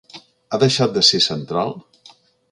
Ha deixat de ser central?